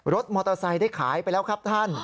รถมอเตอร์ไซค์ได้ขายไปแล้วครับท่าน